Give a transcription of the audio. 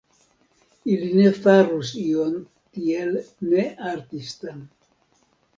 Ili ne farus ion tiel ne-artistan.